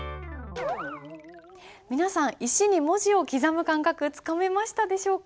皆さん石に文字を刻む感覚つかめましたでしょうか？